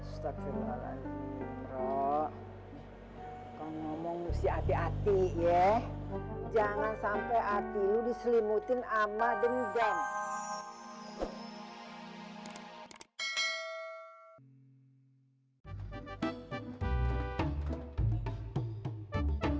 setelah ini rok kamu ngomong mesti hati hati ya jangan sampai hatimu diselimutin sama dengjam